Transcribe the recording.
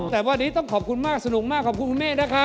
แต่วันนี้ต้องขอบคุณมากสนุกมากขอบคุณคุณแม่นะคะ